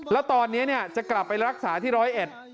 แล้วตอนนี้เนี่ยจะกลับไปรักษาที่ร้อยเอ็ด